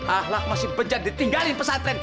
ahlak masih benjat ditinggalin pesantren